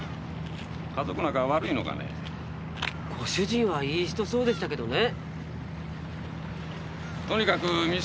家族仲悪いのかねご主人はいい人そうでしたけどねとにかく三沢友紀だ